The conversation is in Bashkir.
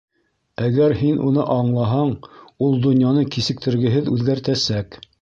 Әгәр һин уны аңлаһаң, ул донъяны кисектергеһеҙ үҙгәртәсәк.